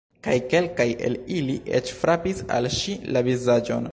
Kaj kelkaj el ili eĉ frapis al ŝi la vizaĝon.